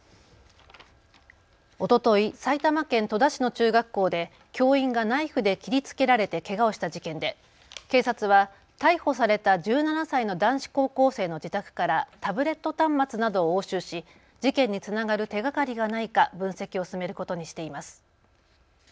おととい、埼玉県戸田市の中学校で教員がナイフで切りつけられてけがをした事件で警察は逮捕された１７歳の男子高校生の自宅からタブレット端末などを押収し事件につながる手がかりがないか分析を進めることにしています。